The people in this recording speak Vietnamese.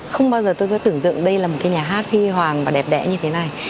không bao giờ tôi cứ tưởng tượng đây là một cái nhà hát huy hoàng và đẹp đẽ như thế này